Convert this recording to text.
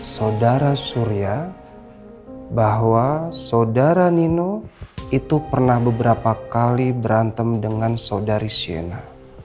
saudara surya bahwa saudara nino itu pernah beberapa kali berantem dengan saudari shena